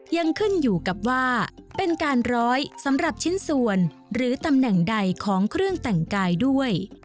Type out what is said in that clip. ยังขึ้นอยู่กับว่าเป็นการร้อยสำหรับชิ้นส่วนหรือตำแหน่งใดของเครื่องแต่งกายด้วย